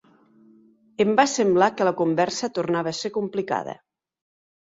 Em va semblar que la conversa tornava a ser complicada.